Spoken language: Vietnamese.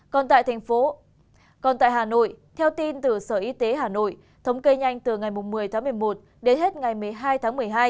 còn tại thành phố còn tại hà nội theo tin từ sở y tế hà nội thống kê nhanh từ ngày một mươi tháng một mươi một đến hết ngày một mươi hai tháng một mươi hai